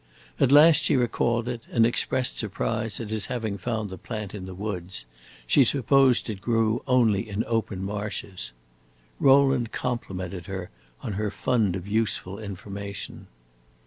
At last she recalled it, and expressed surprise at his having found the plant in the woods; she supposed it grew only in open marshes. Rowland complimented her on her fund of useful information.